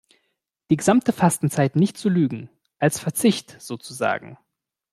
Die gesamte Fastenzeit nicht zu Lügen, als Verzicht sozusagen.